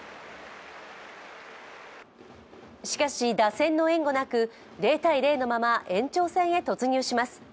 しかし、打線の援護なく０−０のまま延長戦へ突入します。